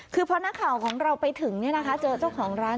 คือพอหน้าข่าวของเราไปถึงเนี่ยนะคะเจอเจ้าของร้าน